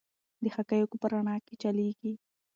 د حقایقو په رڼا کې چلیږي.